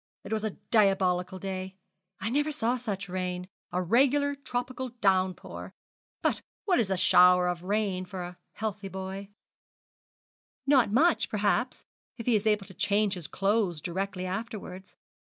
It was a diabolical day. I never saw such rain a regular tropical down pour. But what is a shower of rain for a healthy boy?' 'Not much, perhaps, if he is able to change his clothes directly afterwards.